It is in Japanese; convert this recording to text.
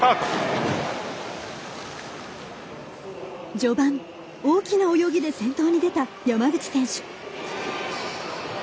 序盤、大きな泳ぎで先頭に出た山口選手。